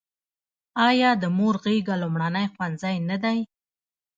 آیا د مور غیږه لومړنی ښوونځی نه دی؟